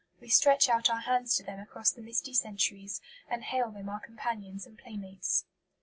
We stretch out our hands to them across the misty centuries, and hail them our companions and playmates.